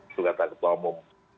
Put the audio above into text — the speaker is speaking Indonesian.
itu kata ketua umum